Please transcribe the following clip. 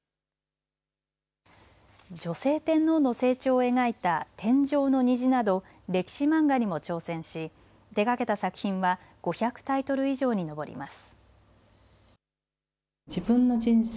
女性天皇の成長を描いた天上の虹など歴史漫画にも挑戦し手がけた作品は５００タイトル以上に上ります。